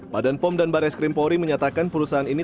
badan pom dan baris krimpori menyatakan perusahaan ini